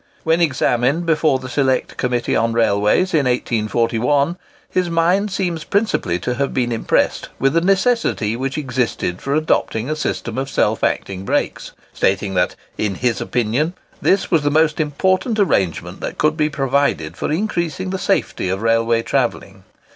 When examined before the Select Committee on Railways in 1841, his mind seems principally to have been impressed with the necessity which existed for adopting a system of self acting brakes; stating that, in his opinion, this was the most important arrangement that could be provided for increasing the safety of railway travelling.